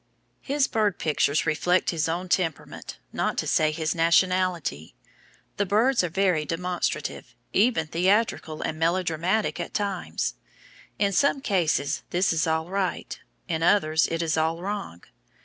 His bird pictures reflect his own temperament, not to say his nationality; the birds are very demonstrative, even theatrical and melodramatic at times. In some cases this is all right, in others it is all wrong.